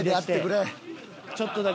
ちょっとだけ。